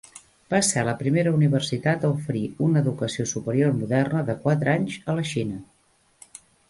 Va ser la primera universitat a oferir una educació superior moderna de quatre anys a la Xina.